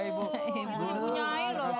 ibu punya i loh